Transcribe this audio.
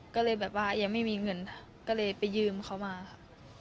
ก็เลยแบบว่ายังไม่มีเงินก็เลยไปยืมเขามาค่ะ